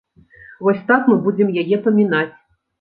Вось так мы будзем яе памінаць.